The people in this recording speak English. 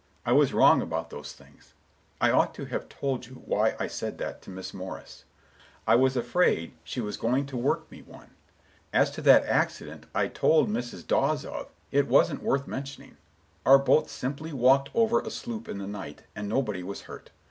I was wrong about those things. I ought to have told you why I said that to Miss Morris: I was afraid she was going to work me one. As to that accident I told Mrs. Dawes of, it wasn't worth mentioning. Our boat simply walked over a sloop in the night, and nobody was hurt.